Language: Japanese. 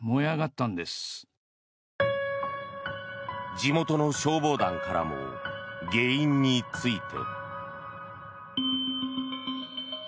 地元の消防団からも原因について。